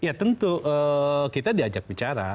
ya tentu kita diajak bicara